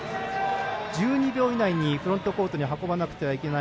１２秒以内にフロントコートに運ばなければいけない。